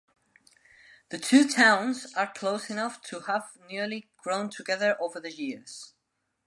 The two towns are close enough to have nearly grown together over the years.